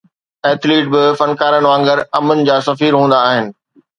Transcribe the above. Athlete به فنڪارن وانگر امن جا سفير هوندا آهن.